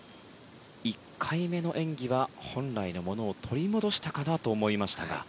１回目の演技は本来のものを取り戻したかと思いましたが。